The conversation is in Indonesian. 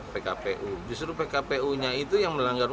pkpu justru pkp unyai itu yang melanggar